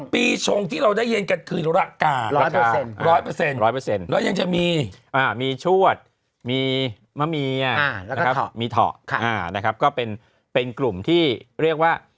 ปีชงที่เราได้เย็นกันคือราคา